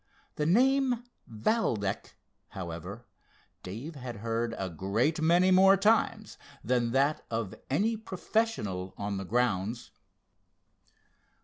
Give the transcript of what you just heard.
The name, Valdec, however, Dave had heard a great many more times than that of any professional on the grounds.